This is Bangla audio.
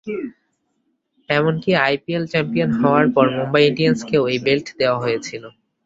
এমনিকে আইপিএল চ্যাম্পিয়ন হওয়ার পর মুম্বাই ইন্ডিয়ানসকেও এই বেল্ট দেওয়া হয়েছিল।